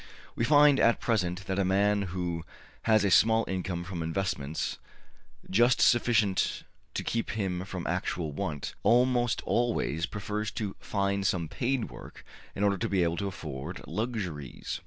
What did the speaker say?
We find at present that a man who has a small income from investments, just sufficient to keep him from actual want, almost always prefers to find some paid work in order to be able to afford luxuries.